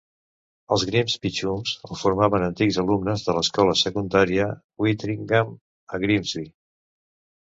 Els "Grimsby Chums" el formaven antics alumnes de l'escola secundària Wintringham, a Grimsby.